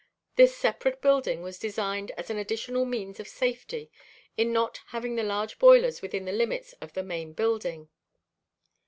This separate building was designed as an additional means of safety, in not having the large boilers within the limits of the main building.